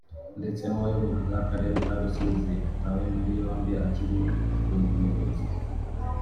ndetse n’uwayoboraga akarere ka Rusizi atawe muri yombi akiri ku buyobozi